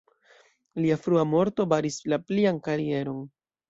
Lia frua morto baris la plian karieron.